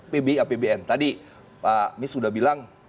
pbapbn tadi pak mis sudah bilang